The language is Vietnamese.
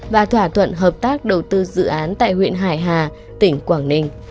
và thỏa thuận hợp tác đầu tư dự án tại huyện hải hà tỉnh quảng ninh